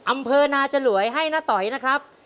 อำเภอนาจลวยให้น้าต๋อยนะครับ